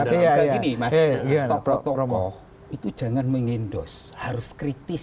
tapi gini mas tok tok romo itu jangan mengendos harus kritis